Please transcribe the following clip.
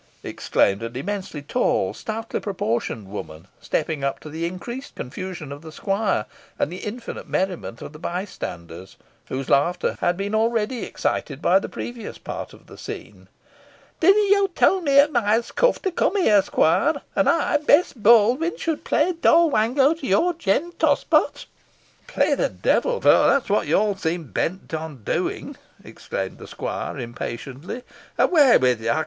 exclaimed an immensely tall, stoutly proportioned woman, stepping up, to the increased confusion of the squire, and the infinite merriment of the bystanders, whose laughter had been already excited by the previous part of the scene. "Didna yo tell me at Myerscough to come here, squire, an ey, Bess Baldwyn, should play Doll Wango to your Jem Tospot?" "Play the devil! for that's what you all seem bent upon doing," exclaimed the squire, impatiently. "Away with you!